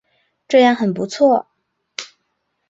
这样很不错